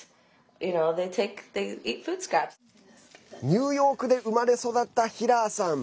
ニューヨークで生まれ育ったヒラーさん。